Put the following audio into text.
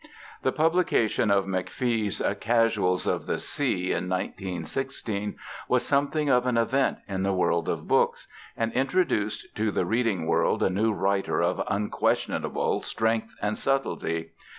The publication of McFee's Casuals of the Sea in 1916 was something of an event in the world of books, and introduced to the reading world a new writer of unquestionable strength and subtlety.